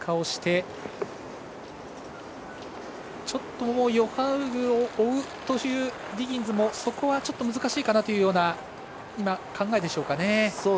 ちょっとヨハウグを追うというディギンズもそこはちょっと難しいかなという今、そういう考えでしょうかね。